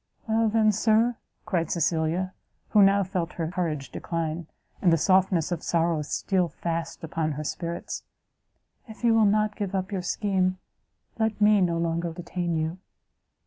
"Well, then, Sir," said Cecilia, who now felt her courage decline, and the softness of sorrow steal fast upon her spirits, "if you will not give up your scheme, let me no longer detain you."